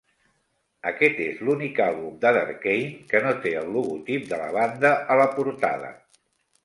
Aquest és l'únic àlbum de Darkane que no té el logotip de la banda a la portada.